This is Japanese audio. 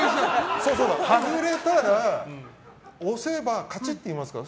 外れたら押せばカチッて言いますから。